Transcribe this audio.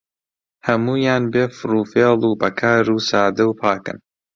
هەموویان بێ فڕوفێڵ و بەکار و سادە و پاکن